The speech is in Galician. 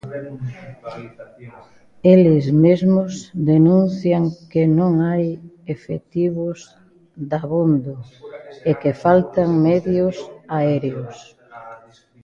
Eles mesmos denuncian que non hai efectivos dabondo e que faltan medios aéreos.